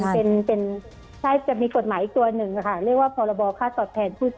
แก่จำลวง